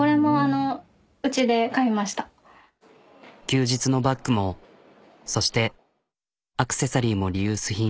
休日のバッグもそしてアクセサリーもリユース品。